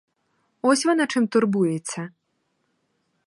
Ось вона чим турбується!